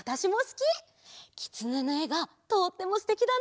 きつねのえがとってもすてきだね。